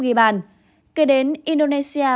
ghi bàn kể đến indonesia